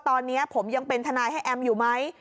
ตอนนี้ผมยังเป็นทนายให้แอมอยู่ไหม